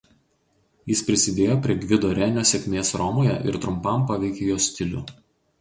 Jis prisidėjo prie Gvido Renio sėkmės Romoje ir trumpam paveikė jo stilių.